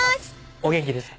お元気ですか？